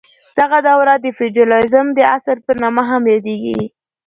دغه دوره د فیوډالیزم د عصر په نامه هم یادیږي.